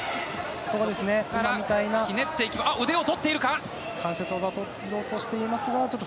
腕をとっているか。